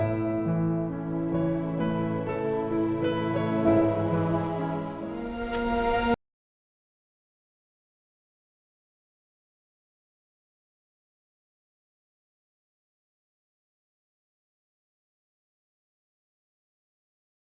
aku mau keluar dulu